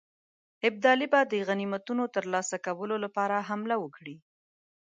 ابدالي به د غنیمتونو ترلاسه کولو لپاره حمله وکړي.